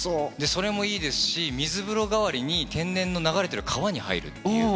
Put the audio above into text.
それもいいですし、水風呂代わりに、天然の流れてる川に入るっていう。